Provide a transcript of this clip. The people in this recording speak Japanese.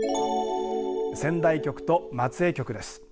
仙台局と松江局です。